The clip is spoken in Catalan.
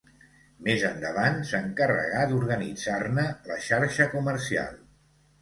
Més endavant, s'encarregà d'organitzar-ne la xarxa comercial.